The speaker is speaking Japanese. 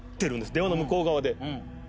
電話の向こう側で。